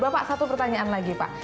bapak satu pertanyaan lagi pak